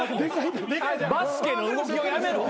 バスケの動きをやめろ。